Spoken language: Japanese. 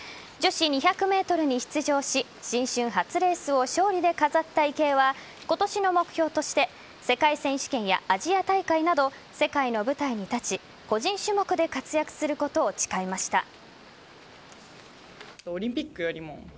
女子２００ｍに出場し新春初レースを勝利で飾った池江は今年の目標として世界選手権やアジア大会など世界の舞台に立ち個人種目で活躍することを誓いました。